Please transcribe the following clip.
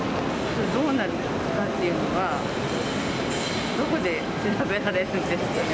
どうなるのかっていうのは、どこで調べられるんですかね。